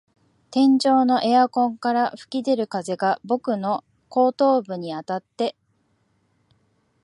天井のエアコンから吹き出る風が僕の後頭部にあたって、